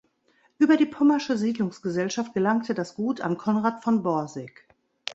Über die Pommersche Siedlungsgesellschaft gelangte das Gut an Conrad von Borsig.